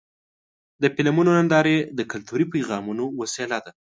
د فلمونو نندارې د کلتوري پیغامونو وسیله ده.